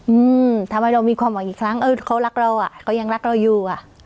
อืมทำให้เรามีความหวังอีกครั้งเออเขารักเราอ่ะเขายังรักเราอยู่อ่ะ